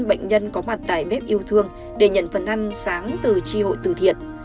bệnh nhân có mặt tài bếp yêu thương để nhận phần ăn sáng từ tri hội từ thiện